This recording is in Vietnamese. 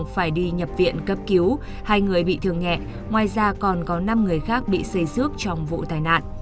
phải đi nhập viện cấp cứu hai người bị thương nhẹ ngoài ra còn có năm người khác bị xây xước trong vụ tai nạn